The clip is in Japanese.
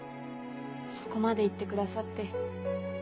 そこまで言ってくださって。